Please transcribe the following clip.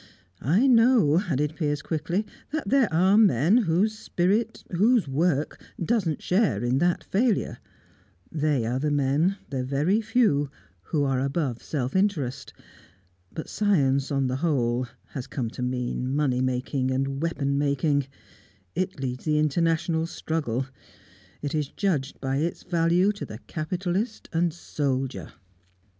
I know," added Piers quickly, "that there are men whose spirit, whose work, doesn't share in that failure; they are the men the very few who are above self interest. But science on the whole, has come to mean money making and weapon making. It leads the international struggle; it is judged by its value to the capitalist and the soldier."